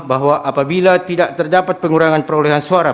bahwa apabila tidak terdapat pengurangan perolehan suara